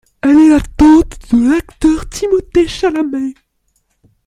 Elle est la tante de l'acteur Timothée Chalamet.